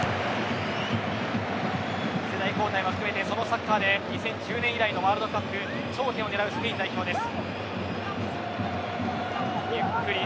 世代交代を含めてそのサッカーで２０１０年以来のワールドカップ頂点を狙うスペイン代表です。